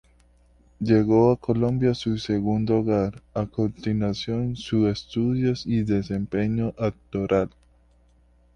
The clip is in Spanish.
Llegó a Colombia, su segundo hogar, a continuar sus estudios y desempeño actoral.